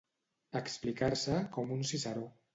Explicar-se com un Ciceró.